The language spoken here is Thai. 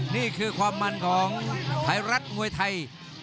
นี่คือความมันของไทยรัฐมวยไทย